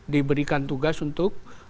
diberikan tugas untuk